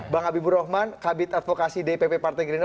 bang habibur rahman kabit advokasi dpp partai gerindra